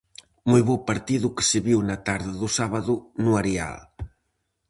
Moi bo partido o que se viu na tarde do sábado no areal.